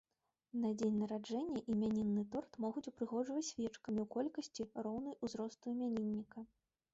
На дзень нараджэння імянінны торт могуць упрыгожваць свечкамі ў колькасці, роўнай узросту імянінніка.